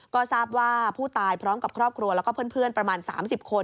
ก็ทราบว่าผู้ตายพร้อมกับครอบครัวแล้วก็เพื่อนประมาณ๓๐คน